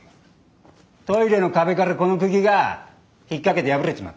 トイレの壁からこのクギが引っ掛けて破れちまった。